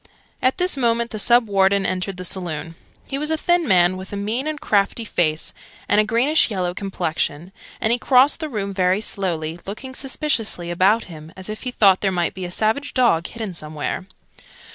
At this moment the Sub Warden entered the saloon. He was a thin man, with a mean and crafty face, and a greenish yellow complexion; and he crossed the room very slowly, looking suspiciously about him as if he thought there might be a savage dog hidden somewhere.